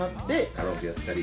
カラオケやったり。